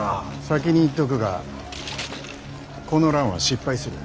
先に言っとくがこの乱は失敗する。